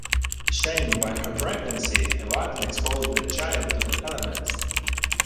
Shamed by her pregnancy, Evadne exposed the child to the elements.